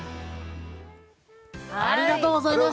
ありがとうございます！